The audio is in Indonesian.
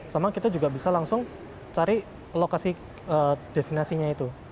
sama kita juga bisa langsung cari lokasi destinasinya itu